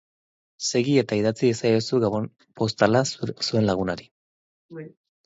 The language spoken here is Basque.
Segi eta idatzi iezaiozu gabon postala zuen lagunari!